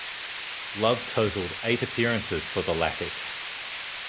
Love totalled eight appearances for the Latics.